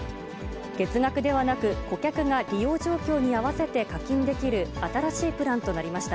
月額ではなく、顧客が利用状況に合わせて課金できる新しいプランとなりました。